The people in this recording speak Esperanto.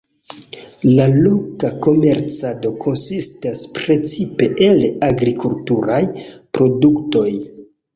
La loka komercado konsistas precipe el agrikulturaj produktoj.